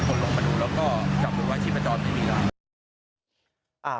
กดลงมาดูแล้วก็กลับกลับว่าจิมประจอบไม่มีนะ